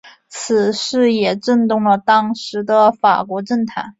此事也震动了当时的法国政坛。